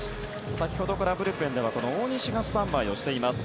先ほどからブルペンでは大西がスタンバイをしています。